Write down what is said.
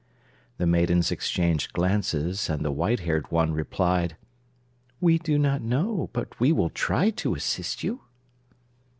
The maidens exchanged glances, and the white haired one replied: "We do not know; but we will try to assist you."